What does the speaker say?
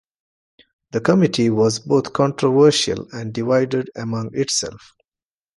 The committee was both controversial and divided among itself.